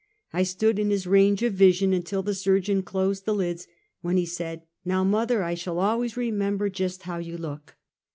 I stood in his range of vision, until the surgeon closed the lids, when he said: " I^ow, mother, I shall always remember just how you look."